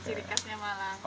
sebagai ciri khasnya malam